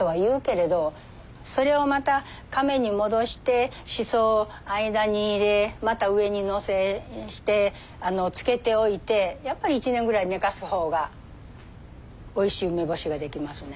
それをまたカメに戻してしそを間に入れまた上に載せして漬けておいてやっぱり１年ぐらい寝かす方がおいしい梅干しができますね。